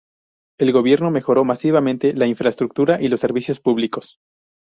El gobierno mejoró masivamente la infraestructura y los servicios públicos.